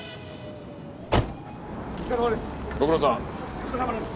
お疲れさまです。